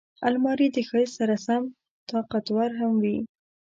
الماري د ښایست سره سم طاقتور هم وي